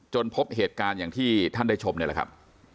พบเหตุการณ์อย่างที่ท่านได้ชมนี่แหละครับ